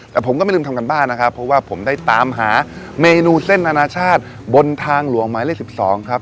แต่ผมก็ไม่ลืมทำการบ้านนะครับเพราะว่าผมได้ตามหาเมนูเส้นอนาชาติบนทางหลวงหมายเลข๑๒ครับ